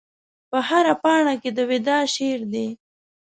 په هره پاڼه کې د وداع شعر دی